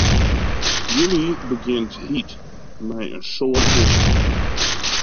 July begjint hjit en mei in soad sinne.